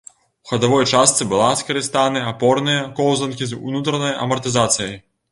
У хадавой частцы была скарыстаны апорныя коўзанкі з унутранай амартызацыяй.